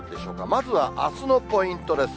まずは、あすのポイントです。